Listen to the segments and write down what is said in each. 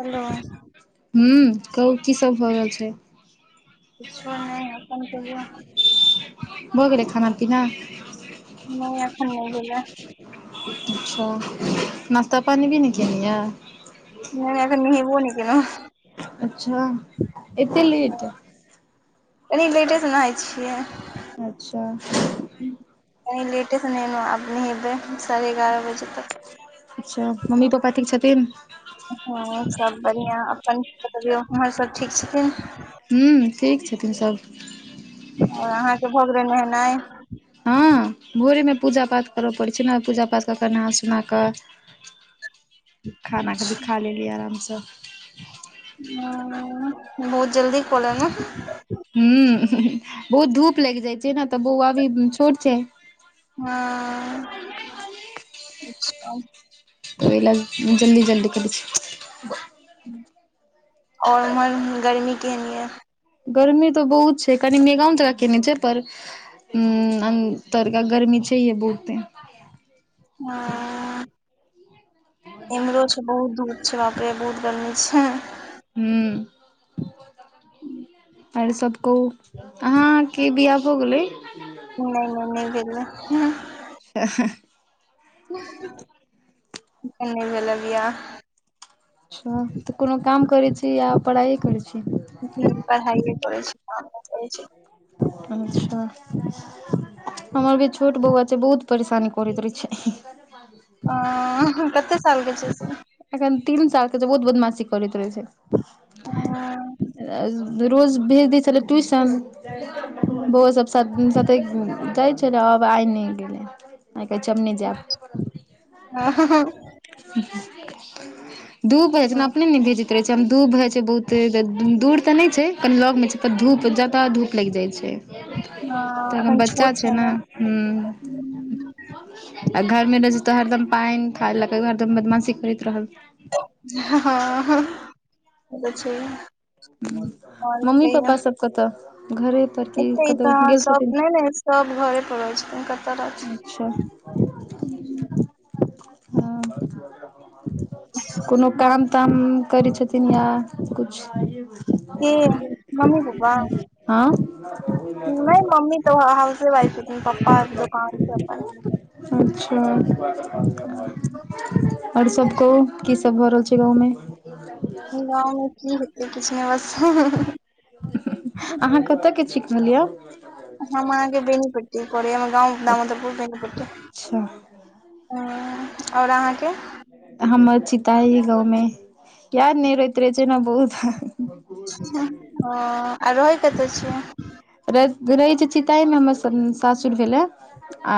Hello. हूं कहू की सब भऽ रहल छै? किछो नै अपन कहियो? भऽ गेलै खाना-पीना? नै एखन नै भेलै हें। अच्छा नाश्ता पानी भी नै केलियै। नै अखन नहेबौ नै केलौ हें। अच्छा एते लेट। कनि लेटे से नहाए छियै। अच्छा। कनि लेटे से नेहेलो आब नेहेबय साढ़े एगारा बजे तक। अच्छा मम्मी-पप्पा ठीक छथिन? हां सब बढ़िया अपन बतबियौ ऊमहर सब ठीक छथिन? हुं ठीक छथिन सब। और अहाँके भ गेले नहेनाय हां भोरेमे पूजा-पाठ करय पड़ै छै नै पूजा-पाठ कऽ कऽ नहा सुना कऽ [inaudible] खाना कभी खा लेली आरामसँ। ह बहुत जल्दी क लेलौं। हुं बहुत धूप लागि जाइ छै ने तऽ बौआ अभी छोट छै। हँ अच्छा ख [inaudible] करे लग, जल्दी जल्दी करै छी। और उमहर गर्मी केहेन ये। गर्मी तऽ बहुत छै कनि मेघौन जेकां केने छै पर हुं अन्दर के गर्मी छैहे बहुते। हाँ। एम्हरो छै बहुत धूप छै बाप रे बहुत गर्मी छै। हूं [inaudible] और सब कहू, अहाँके बियाह भऽ गेलै? नै नै नै भेले। अच्छा। अखैन नै भेले बियाह। अच्छा, तऽ कोनो काम करैत छी या पढ़ाइए करैत छी। हम पढ़ाइए करै छी, काम नै करै छी। अच्छा। हमर अभी छोट बौआ छै बहुत परेशानी करैत रहै छै। हाँ, कते साल के छै से। एखन तीन साल के छै बहुत बदमाशी करैत रहे हँ छै। रोज भेज देय छलिये ट्यूशन, बौवा सब साथे साथे जाइत फेर आब आइ नै गेलै आइ, कहै छै हम नहि जायब। हा- हा- हा। दू भेज ने अपने न भेज त कहै छै धूप होइ छै, बहुत दूर तऽ नहि छै कनी लॅगमे मे छै त धूप जादा धूप लागि जाइ छै। तखन बच्चा छै ने हुं। आ घर मे रहै छै तऽ हरदम पानि खाय ल क हरदम बदमाशी करैत रहल। हँ- हँ- ह ओ त छै। आओर मम्मी पप्पा सब कतऽ घरे पर की एतेक त कतहु गेल सब छथिन नै नै सब घरे पड़ रहै छथीन, कतऽ रह अच्छा, हँ। कोनो हँ काम ताम करै छथिन या किछु के, मम्मी पप्पा। हँ। नहि मम्मी त हाउसे वाइफ छथीन पप्पा दुकान छैन अपन। अच्छा। और सब कहू की सब भऽ रहल छै गाँव में। गाँंव मे की हेतै किछु नहि बस ह-ह- ह -ह। अहाँ कतऽके छी कहलियै। हम अहाँके बेनिपट्टी कोरियावां गाम दामोदरपुर बेनिपट्टी। अच्छा हँ और अहाँके हमर छी पाही गाँव में याद नहि रहैत रहै छै ने बहुत ओ आ रहै कतऽ छियै। रहय रहै छी चितहि में हमर सासुर भेले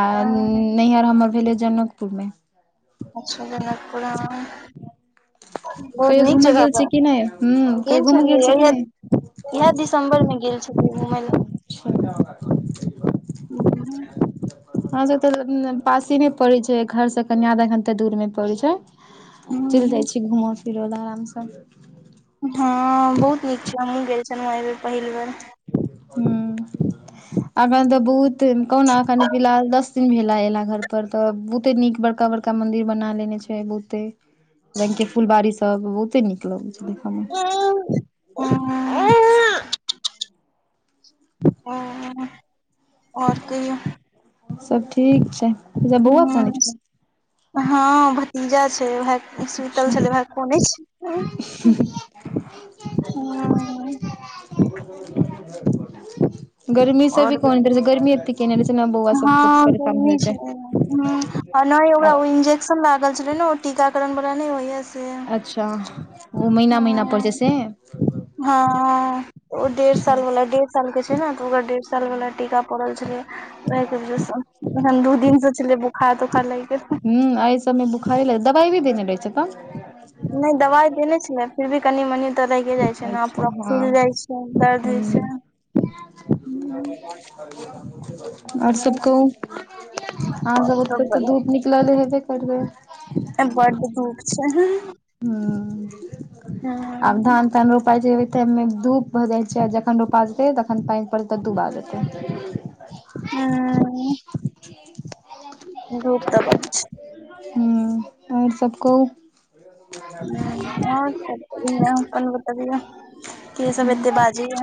आ नैहर हमर भेलै जनकपुर में। अच्छा जनकपुर में। बहुत कहियो नीक घूमय जगह गेल छी पर कि नहि ह कहियो गेल घूमय छलिये छी या कि इहा नहि इहा दिसम्बर में गेल छलियै घुमय ला। लए अच्छा। हँ से त पासे मे पड़ेय छै, घर से कनि आधा घंटा दूर मे पड़ैय छै। चलि जाइ छी घूमऽ फिरऽ ला आरामसँ। हँ बहुत नीक छै, हमहुँ गेल छलहुँ एहि बेर पहिल बेर। ह अखन तऽ बहुत कहु ना अखन फिलहाल दस दिन भेला एला घर पर, तऽ बहुते नीक बड़का- बड़का मंदिर बना लेने छै बहुते रंग के फुल बाारी सब बहुते नीक लगैत छै देखय मे। हं -हं और कहियो। सब ठीक छै। अच्छा बौआ ह- कनै छलै हँ भतीजा छै वएह सुतल छलै, वेहा अच्छा कॅनय कनै छैलै ह। गर्मी से भी और कोने कर गर्मी एत केने रहे छै ने, बौआ सब हँ परेशान भऽ गर्मी जाय छै ह छै। आ नहि ओकरा ओ इंजेक्शन लागल छलै ने, ओ टीकाकरण वाला नहि होयया अच्छा ओ महीना- महीना पड़य छै हँ से। हँ- हा। ओ डेढ़ साल अच्छा वाला डेढ़ साल के छै ने, तऽ ओकरा डेढ़ साल वाला ह टीका पड़ल छलै से। अखैन दूं दिन से छलै बुखार -तोखार लाइग गेल। हूँ अइछ। तब मे बुखारे लै दवाई भी देने रहै छै अपन। नै दवाई देने छलै फिर भी कनि- मनि। तऽ रहिये जाइ छै न अच्छा पूरा हँ फुलि जाइ छै, दर्द हो छै। ह और सब कहू, अहाँ सब आओर ओतऽ तऽ बढ़िया धूप न लऽ ले हेबे करबै। बड्ड धूप छै। हूं ह आब धान तान रोपाय छै ताहिमे धूप भऽ जाइ छै, आ जखन रोपा जेतै तखन पाइन पड़तै दूब आ जेतै। हँ। धूप तऽ बड्ड छै। हूं और सब कहु। नै और सब बढ़िया अपन ब ए [inaudible] के सब एते बाजी यऽ।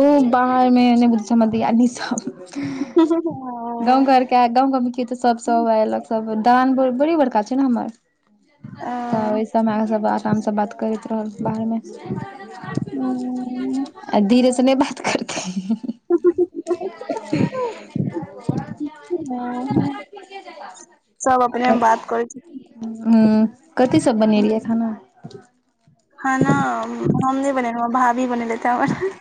ओ बाहर में नै बुझे छियै हमर दियादनी सब। गाँंव घरके गाँव की तऽ सब- सब एयलक सब दालान बड़ी बड़का छै ने हमर। आ तऽ ओहि सबमें आहां सब आरामसँ बात करैत रहब बाहर में। हम्म। आ धीरे से नै बात करते। अ ठीक छी नै आहां, सब अपने बात करै छथिन। ह, कथी सब बनेलियै खाना। खाना हम नहि बनेेलहुं हं भाभी बनेलैथ हैं हमर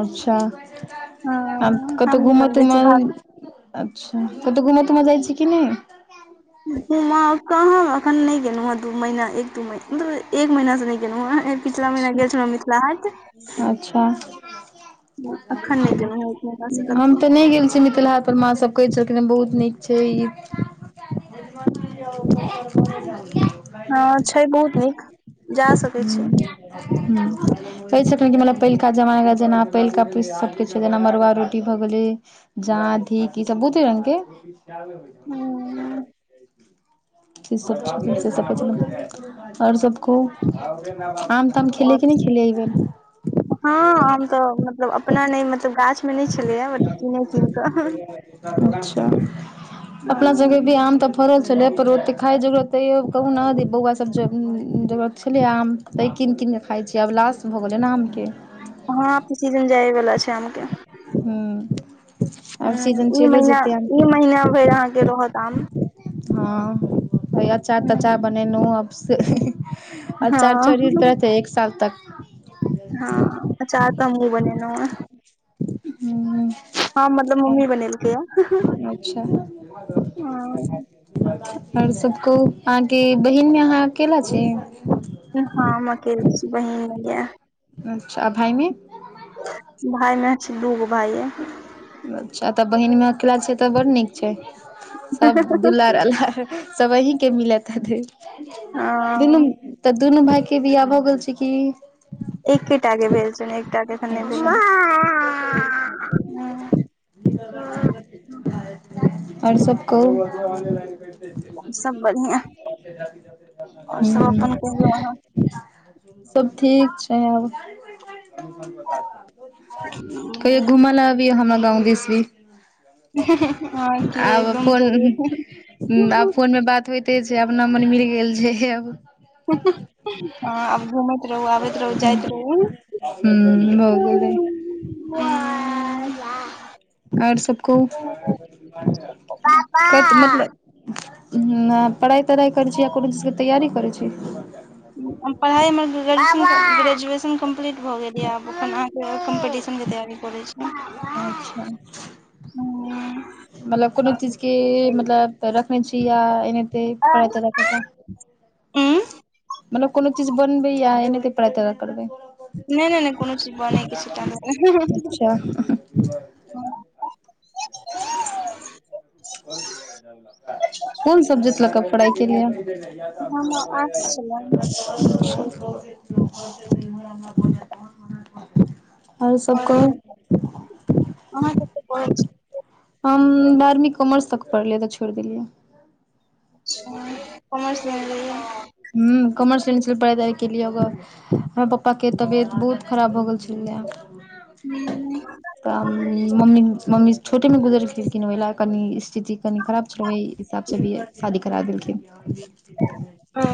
अच्छा आ हँ हम कत‌ऊ नहि घूमऽ बनबै छी तूमऽ भाभी अच्छा कत‌ऊ घूमऽ तूमऽ जाइ छी कि नहि। घुमऽ कहाँ अखन नहि गेलहुँ हेँ, दू महीना एक दू महीना एक महीना स नहि गेलहुँ हैं। एहेन पिछला महिना गेल छलौ मिथिला हाट। अच्छा अखन नहि गेलहुँ हेँ एक महीना से हम कतहु तऽ न नहि गेल छी मिथिला हात पर, माँ सब कहे छलखिन हें बहुत नीक छै ई [unintelligible] है छै बहुत नीक जा सक हम्म हूं कहै छलखिन कि मलब पहिलका जमाना जेना, पहिलका पीस सबके छै जेना मड़ुआ रोटी भऽ गेलै जां थिक इ सब बहुते रंग हूँ के [unintelligible] आओर सब कहुं आम ताम खेलियै कि नहि खेलियै अइबेर। हँ हम तऽ मतलब अपना नहि मतलब गाछ मे नहि छलै यैए, बल्कि किने कीन कऽ। अच्छा अ अपना सबके भी आम तऽ फरल छलैए, पर ओते खाय जोगरक तैयो कहुना दि बऊआ स सब ज जोगरक छलै आम तंय कीन-कीन क खाइ छि आब लास भऽ गलै न आमके। हँ त सीजन जाइए वला छै आमके। हूँ आब हम्म सीजन ई चलिये महिना- जेतै ई आमके महीना भरि अहाँके रहत आम। हँ भ‌ई अचार-तचार हूं बनेनाओ आब स अचार चरीत हँ रहतै एक साल तक। हँ अचार त हमहुं बनेनौ ए हूँ हँ मतलब मम्मी बनेलकैए अच्छा आओर सब कहुं, अहाँके बहिनमे अहाँ अकेला छी। [inaudible] हँ हम‌ अकेले छी बहिन ‍नहि यैं। अच्छा आ भायमे भाइ मे अइछ दूगो भाइ यैं। अच्छा त बहिन मे अकेला छियै तऽ बड़ नीक छै, सब दुलार -अलार सब अहीं के मिलत हथतै हँ दुनू तऽ दुनू भाय के बियाह भ गेल छै कि। एकेटा के भेल छैन। एकटा के अखन नहि भेल अच्छा हन‌। आओर सब कहुं। और सब बढ़िआँ और सब हम्म अपन कहियौ सब ठीक छै आब। कहियो अहाँ घुमलऽ अबीये हमरा गाँव दिस भी, हँ की आब एकदम फोन जरूर अब फोन मे बात त होइते छै अपना मन मिल गेल छै अब हँ आब घुमैत, रहु आबैत रहु जाइत रहु। हूँ भऽ गेलै [unintelligible] आओर सबकहुं पापा कत मतलब उम्म ना पढ़ाई-तढ़ाई करै छी या कुनू चीज के तैयारी करै छी। हुं हम पढ़ाई मे गे-ग्रेजुएशन क ग्रेजुए शन कंप्लीट भ गेलया आब अखन अहाँ के कम्पीटिशन के तैयारी करै छी। अच्छा हां। मतलब कुनू चीज की मतलब त रखनै छी या एनेते पढ़ाय-तढ़ाय काए के उँ। मतलब कुनू चीज बनबै या एनेते पढ़ाय-तढा़य करबै। नहि नहि नहि कोनो चीज बनैके छै ताहि अच्छा। हां [unintelligible] [unintelligible] कुन सब्जेक्ट लाए कऽ पढ़ाई केलिये या। हम आर्ट्स छलहुँ [unintelligible] और अहाँ, अहाँ कते पढ़ल छी। हम बारमी कॉमर्स तक पढ़लियै तऽ छोड़ देलियै। अच्छा कॉमर्स लेने रैहिये। हुं कॉमर्स लेने छलै पढ़ाई-तढ़ाई के लिए [unintelligible] हमर पप्पा के तबियत बहुत खराब भ गेल छ लै हूँ त मम्मी, मम्मी छोटे मे गुजर गेलखिन ओय लाए कनी स्थिति कनि खराब छलै, ओहि हिसाब सँ बीहे शादी करा देलखिन। [unintelligible] औ।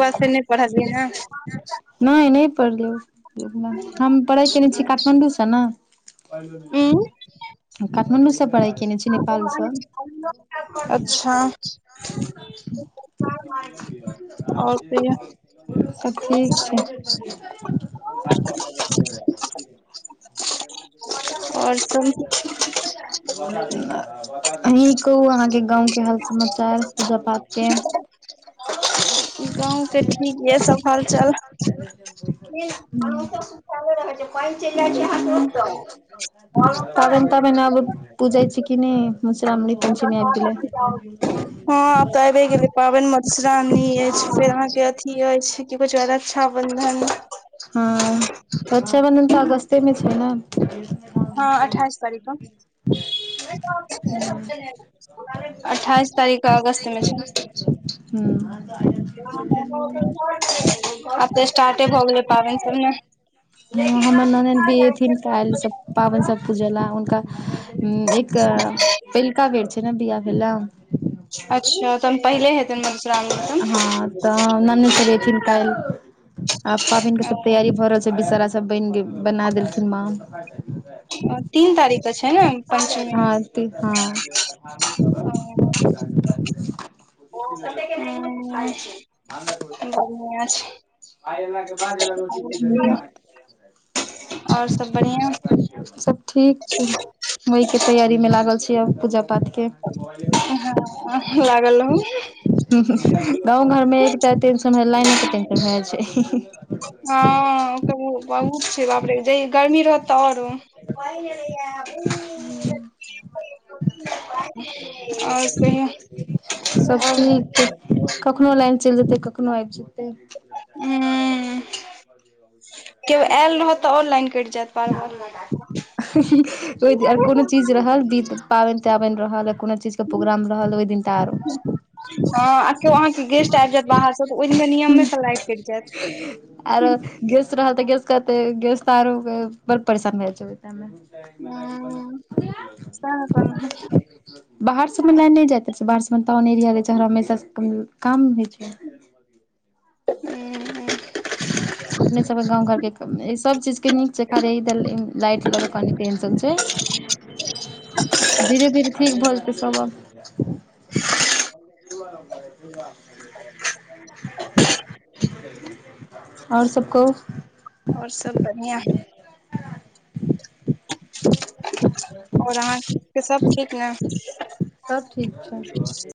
बाद फेर नहि पढ़लियै ने नै, नै पढ़लौ। [unintelligible] हम पढ़ाय केने छी काठमाण्डू से ना। उँ काठमांडू से पढ़ाय केने छी। नेपाल से [unintelligible] अच्छा और कहियौ। त ठीक छै। [inaudible] अ आओर सब अहीं कहु अहाँ गाँव के हाल समाचार पूजा-पाठ के। गाँव के ठीक या सब हाल-चाल। [unintelligible] [unintelligible] पाबैन-ताबैन आब पूजै छै की नै मोश्रामणी पंचमी आएब गेलै। हां तऽ आबे गेलै पाबैन म माेश्रामनी एछ फेर अहाँ के अथी एछ कि कहै छै रक्षाबंधन हां रक्षाबंधन तऽ अगस्ते मे छै ना। हां अठाएस तारीक के। [unintelligible] [unintelligible] अठाएस तारीक के अगस्त मे छै। ह आब तऽ स्टार्टे भऽ गेलै पाबैन सब नै। [unintelligible] पाबैन सब पूजाला हुनका उम्म एक पहिलका बेर छै ने बियाह भेला। अच्छा त हम पहिल हे हाँ तऽ नानी सब एथिन काइल, आ पाबनि के ओ सब तैयारी भए रहल छै विषारा सबबने बना देलखिन मां तीन तारीख के छै ने पंचमी हाँ ती हाँ [inaudible] ओ [unintelligible] आइला के बाद छै और सब बढ़िया सब ठीक छै, ओहि के तैयारी मे लागल छी। [unintelligible] पूजा पाठ के हँ लागल रहू गाँव घरमे एकटाऽ टेंशन है, लाइनेके टेंशन भए जाइ छै। हाँ तो उ बहुत छै, बाप रे ज गर्मी रहत तऽ औरो प गेल हूँ [unintelligible] और कहु सब औ ठीक कखनो लाइन चलि जेतै कखनो आबि जेतै। [inaudible] ह्म्म केओ आयल रहत तऽ औरो लाइन कटि जायत [unintelligible] ओहि आर कोनो चीज रहल दीत पाबनि त्याबनि रहल कोनो चीज के प्रोग्राम रहल ओहि दिन त आरो ह केओ अहाँके गेस्ट आब जायत बाहरसँ तऽ ओहि दिन नियमे सलाइ कटि जायत आरो गेस रह तऽ गैस कहते गस तऽ आरो बड़ परेशान भए जाइ छै। हूँ सएह कहलौं हूँ [unintelligible] बाहर सबमे लए नहि जाइत बाहर सब टाउन एरिया छै ह हमेशा काम होइ छै। ह्म्म अपने सबके गाँंव घर के सब चीज के नीक छे खाली लाइट ल के क धीरे धीरे ठीक भ जीते सब अब [inaudible] और सब काहू? आओर सब बढ़िआं है। [inaudible] आओर अहाँके सभ ठीक न सब ठीक छै।